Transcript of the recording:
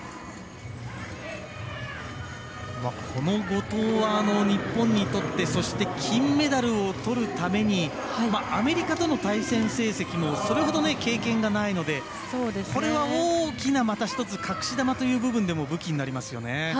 この後藤は、日本にとってそして金メダルをとるためにアメリカとの対戦成績もそれほど経験がないのでこれは大きな、また１つ隠し球という部分でも武器になりますよね。